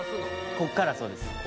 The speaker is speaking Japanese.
「ここからそうです」